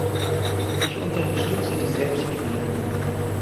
Ich unterstütze die Selbstregulierung.